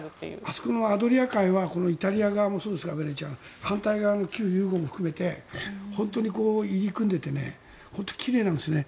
あそこのアドリア海はベネチア、すごいですが反対側の旧ユーゴも含めて本当に入り組んでいて本当に奇麗なんですね